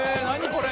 これ。